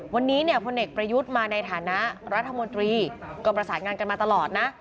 วันนี้เนี่ยพลเอกประยุทธ์มาในฐานะรัฐมนตรีก็ประสานงานกันมาตลอดนะ